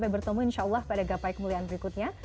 bertemu insya allah pada gapai kemuliaan berikutnya